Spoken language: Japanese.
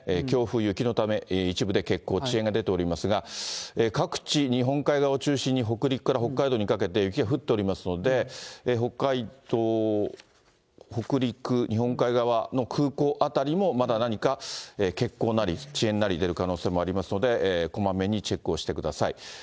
強風、雪のため一部で欠航、遅延が出ていますが、各地日本海側を中心に北陸から北海道にかけて雪が降っておりますので、北海道、北陸、日本海側の空港あたりもまだ何か結構なり、遅延なり出る可能性もありますので、こまめにチックをしてください。